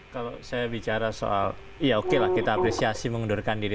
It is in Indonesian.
kalau saya bicara soal ya oke lah kita apresiasi mengundurkan diri